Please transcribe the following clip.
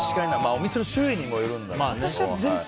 お店の種類にもよるんだろうけど。